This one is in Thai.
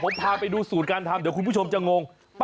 นี่จะขยันโยน